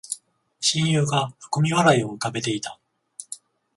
親友が含み笑いを浮かべていた